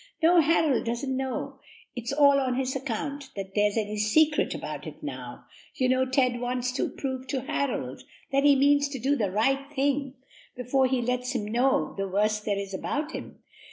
"No, Harold doesn't know; it's all on his account that there's any secret about it now; you know Ted wants to prove to Harold that he means to do the right thing before he lets him know the worst there is about him.